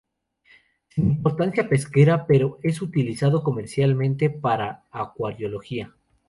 Sim importancia pesquera, pero es utilizado comercialmente para acuariología.